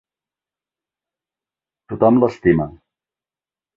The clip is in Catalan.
Tothom l'estima.